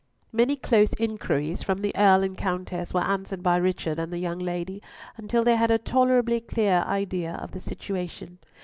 Many close inquiries from the Earl and Countess were answered by Richard and the young lady, until they had a tolerably clear idea of the situation.